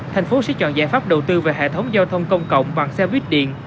thành phố sẽ chọn giải pháp đầu tư về hệ thống giao thông công cộng bằng xe buýt điện